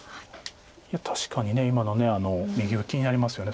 いや確かに今の右上気になりますよね